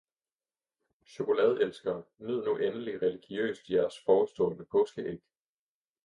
Chokoladeelskere, nyd nu endelig religiøst jeres forestående påskeæg!